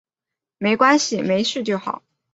没关系，没事就好